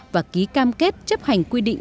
và ký cam kết chấp hành quy định